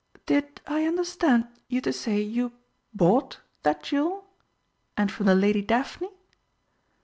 "Did I understand you to say you bought that jewel and from the Lady Daphne?"